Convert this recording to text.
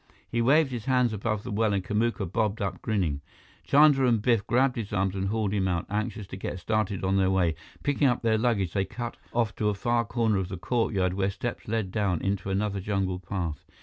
He waved his hands above the well, and Kamuka bobbed up grinning. Chandra and Biff grabbed his arms and hauled him out, anxious to get started on their way. Picking up their luggage, they cut off to a far corner of the courtyard where steps led down into another jungle path.